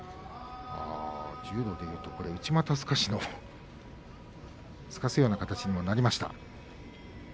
柔道でいうと内股すかしのような形になりました。